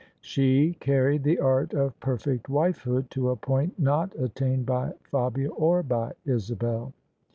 She carried the art of perfect wifehood to a point not attained by Fabia or by Isabel.